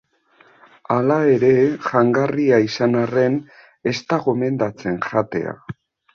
Hala ere, jangarria izan arren, ez da gomendatzen jatea.